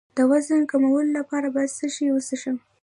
د وزن کمولو لپاره باید څه شی وڅښم؟